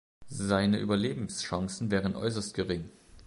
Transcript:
Seine Überlebenschancen wären äußerst gering.